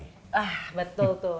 ah betul tuh